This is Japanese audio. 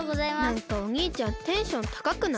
なんかおにいちゃんテンションたかくない？